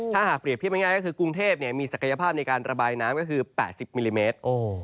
ถ้าหากเปรียบเทียบง่ายก็คือกรุงเทพมีศักยภาพในการระบายน้ำก็คือ๘๐มิลลิเมตร